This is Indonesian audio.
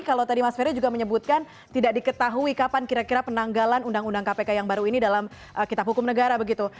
kalau tadi mas ferry juga menyebutkan tidak diketahui kapan kira kira penanggalan undang undang kpk yang baru ini dalam kitab hukum negara begitu